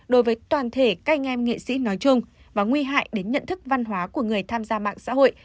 đối với toàn thể các anh em nghệ sĩ nói chung và nguy hại đến nhận thức văn hóa của người tham gia mạng xã hội